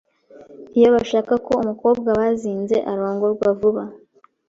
Iyo bashaka ko umukobwa bazinze arongorwa vuba